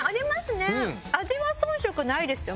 味は遜色ないですよ